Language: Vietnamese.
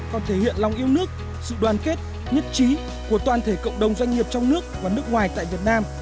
còn thể hiện lòng yêu nước sự đoàn kết nhất trí của toàn thể cộng đồng doanh nghiệp trong nước và nước ngoài tại việt nam